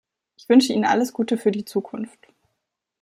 Ich wünsche Ihnen alles Gute für die Zukunft.